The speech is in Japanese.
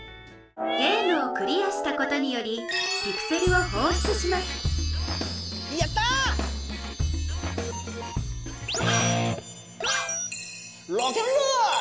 ゲームをクリアしたことによりピクセルを放出しますやった！ロケンロール！